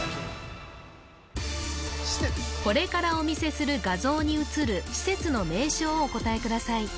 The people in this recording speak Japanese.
これからお見せする画像にうつる施設の名称をお答えください